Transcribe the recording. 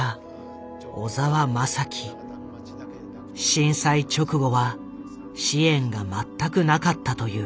震災直後は支援が全くなかったという。